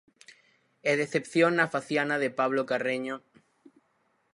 E decepción na faciana de Pablo Carreño.